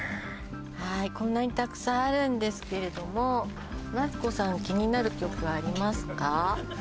はいこんなにたくさんあるんですけれどもマツコさん気になる曲ありますか？